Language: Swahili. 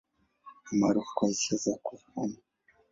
Ni maarufu kwa hisia za kuhama.